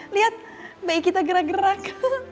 lihat baik kita gerak gerak